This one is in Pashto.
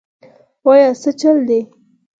وايه سه چل دې.